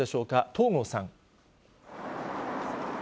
東郷さん。